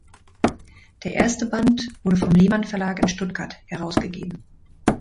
Der erste Band wurde vom Lehmann Verlag in Stuttgart herausgegeben.